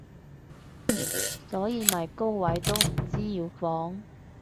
所以咪高位都唔知要放